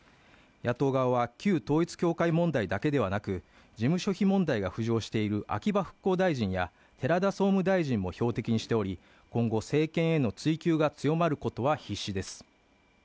野党側は旧統一教会問題だけではなく事務所費問題が浮上している秋葉復興大臣や寺田総務大臣も標的にしており今後政権への追及が強まることは必至です